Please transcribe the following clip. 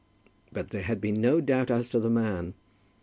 But there had been no doubt as to the man.